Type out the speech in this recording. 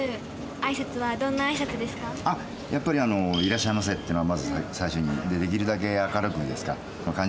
やっぱり「いらっしゃいませ」ってのはまず最初にできるだけ明るくですか感じ